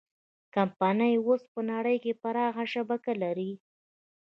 کمپنۍ اوس په نړۍ کې پراخه شبکه لري.